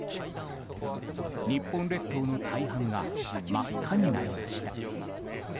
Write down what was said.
日本列島の大半が真っ赤になりました。